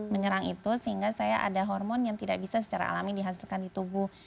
menyerang itu sehingga saya ada hormon yang tidak bisa secara alami dihasilkan di tubuh